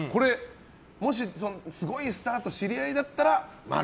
もしすごいスターと知り合いだったら○。